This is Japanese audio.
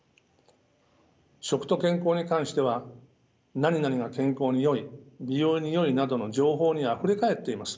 食と健康に関しては何々が健康によい美容によいなどの情報にあふれ返っています。